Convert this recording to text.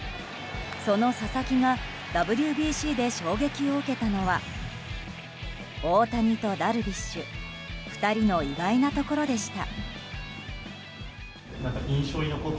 その佐々木がＷＢＣで衝撃を受けたのは大谷とダルビッシュ２人の意外なところでした。